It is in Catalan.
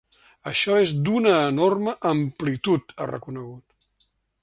“Això és d’una enorme amplitud”, ha reconegut.